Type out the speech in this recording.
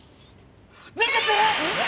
何だって！？